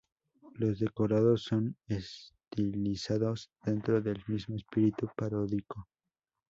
Los decorados son estilizados dentro del mismo espíritu paródico.